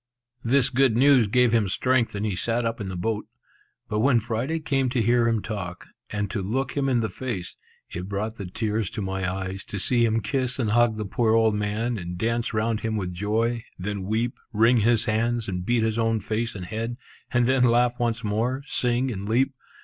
This good news gave him strength, and he sat up in the boat. But when Friday came to hear him talk, and to look him in the face, it brought the tears to my eyes to see him kiss and hug the poor old man, and dance round him with joy, then weep, wring his hands, and beat his own face and head, and then laugh once more, sing, and leap.